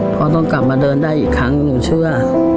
เพราะต้องกลับมาเดินได้อีกครั้งหนูเชื่อ